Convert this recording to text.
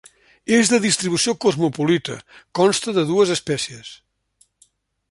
És de distribució cosmopolita, consta de dues espècies.